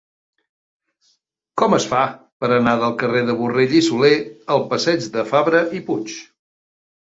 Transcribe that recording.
Com es fa per anar del carrer de Borrell i Soler al passeig de Fabra i Puig?